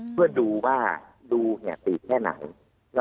เพื่อดูว่าเรานั้นที่ตีบแค่ไหน